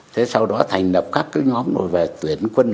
thế sau đó thành lập các ngóm đòi về tuyển quân